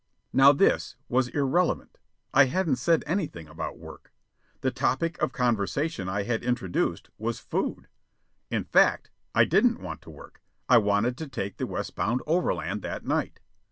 Now this was irrelevant. I hadn't said anything about work. The topic of conversation I had introduced was "food." In fact, I didn't want to work. I wanted to take the westbound overland that night.